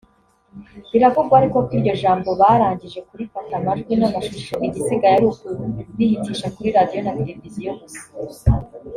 Biravugwa ariko ko iryo jambo barangije kurifata amajwi n'amashusho igisigaye ari ukurihitisha kuri Radio na Television gusa